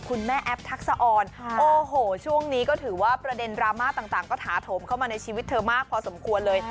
แม่แอปทักษะออนโอ้โหช่วงนี้ก็ถือว่าประเด็นดราม่าต่างก็ถาโถมเข้ามาในชีวิตเธอมากพอสมควรเลย